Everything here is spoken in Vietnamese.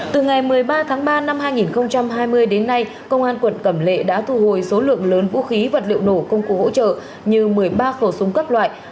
từ ngày một mươi ba tháng ba năm hai nghìn hai mươi đến nay công an quận cẩm lệ đã thu hồi số lượng lớn vũ khí vật liệu nổ công cụ hỗ trợ như một mươi ba khẩu súng các loại